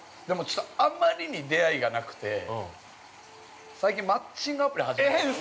あまりに出会いがなくて最近マッチングアプリ始めた。